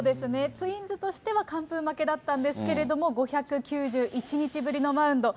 ツインズとしては完封負けだったんですけれども、５９１日ぶりのマウンド。